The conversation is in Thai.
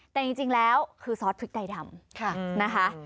แต่จริงแล้วคือซอสพริกใดดำนะคะ